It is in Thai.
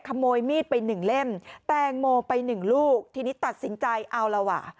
ขโมยมีดไปหนึ่งเล่มแตงโมไปหนึ่งลูกทีนี้ตัดสินใจเอาแล้วว่ะ